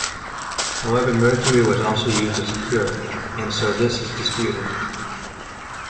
However mercury was also used as a cure, and so this is disputed.